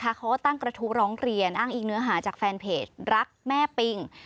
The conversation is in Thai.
เขาก็ตั้งกระทู้ร้องเรียนอ้างอีกเนื้อหาจากแฟนเพจรักแม่ปิง